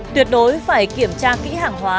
tuyệt đối phải kiểm tra kỹ hàng hóa